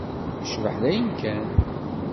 Yecbeḥ dayen kan.